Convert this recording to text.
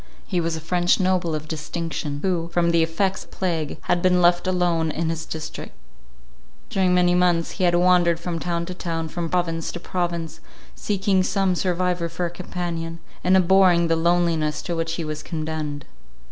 He was a French noble of distinction, who, from the effects of plague, had been left alone in his district; during many months, he had wandered from town to town, from province to province, seeking some survivor for a companion, and abhorring the loneliness to which he was condemned.